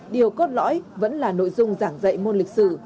điều cốt lõi vẫn là nội dung giảng dạy môn lịch sử